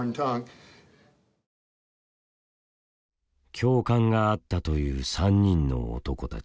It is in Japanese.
教官が会ったという３人の男たち。